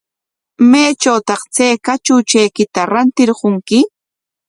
¿Maytrawtaq chay kachuchaykita rantirqunki?